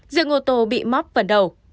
diện ô tô bị móp phần đầu